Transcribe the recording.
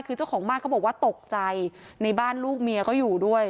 คือเจ้าของบ้านเขาบอกว่าตกใจในบ้านลูกเมียก็อยู่ด้วย